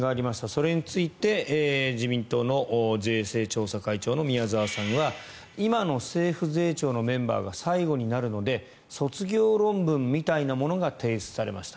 それについて、自民党の税制調査会長の宮沢さんは今の政府税調のメンバーが最後になるので卒業論文みたいなものが提出されました